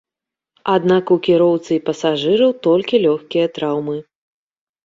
Аднак у кіроўцы і пасажыраў толькі лёгкія траўмы.